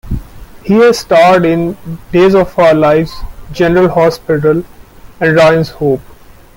He has starred in "Days of Our Lives," "General Hospital", and "Ryan's Hope".